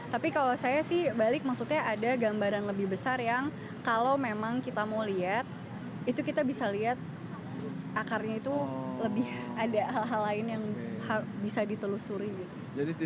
tapi kalau saya sih balik maksudnya ada gambaran lebih besar yang kalau memang kita mau lihat itu kita bisa lihat akarnya itu lebih ada hal hal lain yang bisa ditelusuri gitu